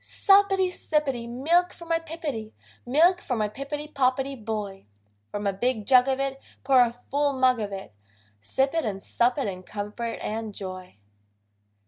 Suppity, sippity! Milk for my Pippity, Milk for my Pippity Poppity Boy: From a big jug of it Pour a full mug of it, Sip it and sup it in comfort and joy.